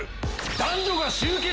男女が集結。